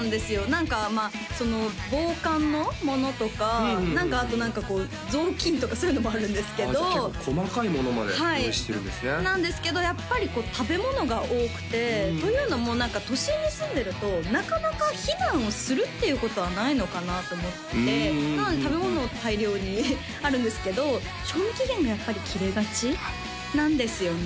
何か防寒のものとかあと雑巾とかそういうのもあるんですけど結構細かいものまで用意してるんですねなんですけどやっぱり食べ物が多くてというのも都心に住んでるとなかなか避難をするっていうことはないのかなと思ってなので食べ物を大量にあるんですけど賞味期限がやっぱり切れがちなんですよね